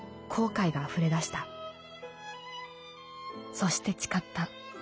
そして誓った。